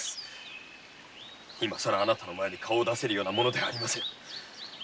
今さらあなたの前に顔を出せるような者ではありません。